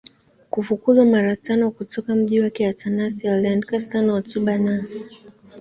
kufukuzwa mara tano kutoka mji wake Atanasi aliandika sana hotuba na